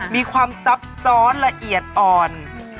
มีความซับซ้อนละเอียดอ่อน